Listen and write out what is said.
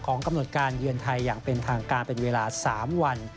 กำหนดการเยือนไทยอย่างเป็นทางการเป็นเวลา๓วัน